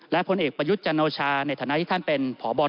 และผลเอกประยุทธ์จันโอชาในฐานะที่ท่านเป็นพบ